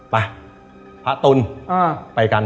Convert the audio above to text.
ไปพระตุลไปกัน